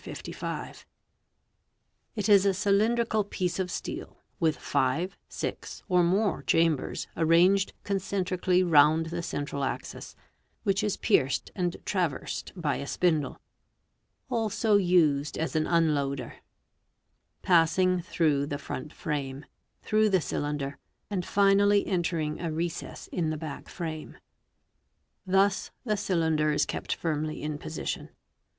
55. It 55 434 WEAPONS is a cylindrical piece of steel with 5, 6, or more chambers arranged concentrically round the central axis, which is pierced and traversed by a spindle (also used as an unloader) passing through the front frame, through the cylinder, and finally entering a recess in the back frame. Thus the cylinder is kept firmly in position.